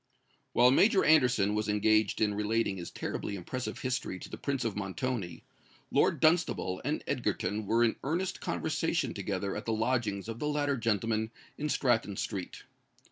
While Major Anderson was engaged in relating his terribly impressive history to the Prince of Montoni, Lord Dunstable and Egerton were in earnest conversation together at the lodgings of the latter gentleman in Stratton Street.